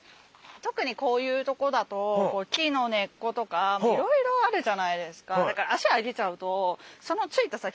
特にこういうとこだと木の根っことかいろいろあるじゃないですか。